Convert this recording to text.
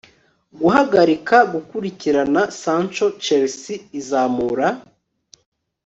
guhagarika gukurikirana Sancho Chelsea izamura